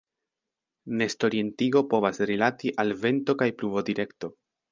Nestorientigo povas rilati al vento kaj pluvodirekto.